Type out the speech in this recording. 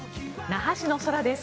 那覇市の空です。